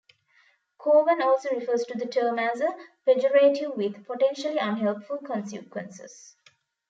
Cowan also refers to the term as a "pejorative" with potentially unhelpful consequences.